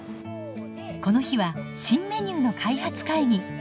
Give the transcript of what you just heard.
この日は新メニューの開発会議。